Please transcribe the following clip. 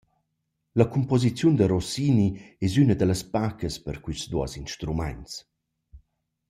La cumposiziun da Rossini es üna da las pacas per quists duos instrumaints.